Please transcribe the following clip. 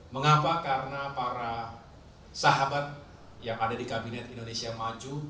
mengapa karena para sahabat yang ada di kabinet indonesia maju